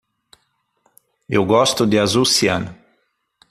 Eu gosto de azul ciano.